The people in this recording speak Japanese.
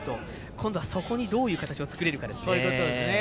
今度は、そこにどういい形を作れるかですね。